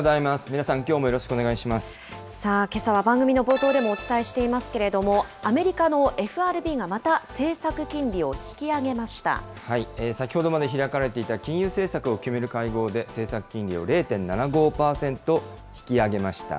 皆さん、きょうもよろしくお願いさあ、けさは番組の冒頭でもお伝えしていますけれども、アメリカのＦＲＢが、また政策金利を先ほどまで開かれていた金融政策を決める会合で、政策金利を０．７５％引き上げました。